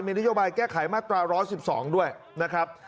นโยบายแก้ไขมาตรา๑๑๒ด้วยนะครับ